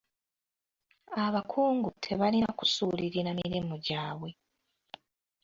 Abakungu tebalina kusuulirira mirimu gyabwe.